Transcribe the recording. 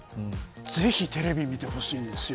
ぜひテレビを見てほしいですよ。